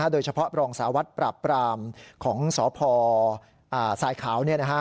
โดยเฉพาะรองสารวัตรปราบปรามของสพสายขาว